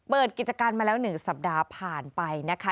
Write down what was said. เปิดกิจการมาแล้ว๑สัปดาห์ผ่านไปนะคะ